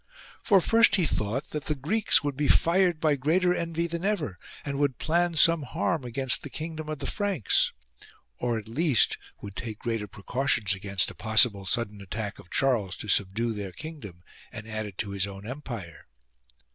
For first he thought that the Greeks would be fired by greater envy than ever and would plan some harm against the kingdom of the Franks ; or at least would take greater precautions against a possible sudden attack of Charles to subdue their kingdom, and add it to his own empire.